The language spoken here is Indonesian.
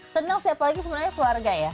senang sih apalagi sebenarnya keluarga ya